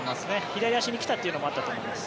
左足に来たというのもあったと思います。